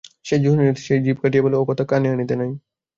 যে শোনে সেই জিভ কাটিয়া বলে, ও-কথা কানে আনিতে নাই।